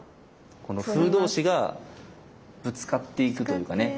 この歩同士がぶつかっていくというかね。